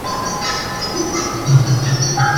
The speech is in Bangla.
আর আপাতত বসে বসে গান বাজনা শুনুন।